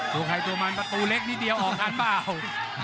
ตัวใครตัวมันประตูเล็กนิดเดียวออกทันเปล่า